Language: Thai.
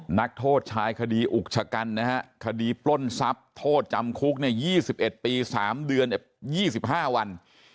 นักโทษชายคดีอุกชะกันนะฮะคดีปล้นทรัพย์โทษจำคุก๒๑ปี๓เดือน๒๕วัน